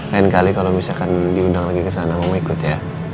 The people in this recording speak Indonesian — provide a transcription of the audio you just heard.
lain kali kalo misalkan diundang lagi kesana mama ikut ya